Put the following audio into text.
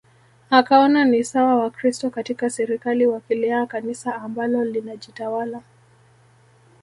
Akaona ni sawa Wakristo katika serikali wakilea Kanisa ambalo linajitawala